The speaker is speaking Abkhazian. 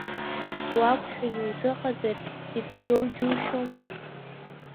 Уақәшәан иузыҟаҵар ицәгьоу џьушьома…